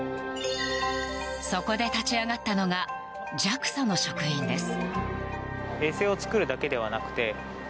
そこで立ち上がったのがＪＡＸＡの職員です。